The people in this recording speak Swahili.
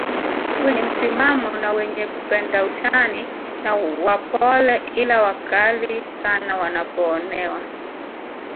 wenye msimamo na wenye kupenda utani na wapole ila wakali sana wanapoonewa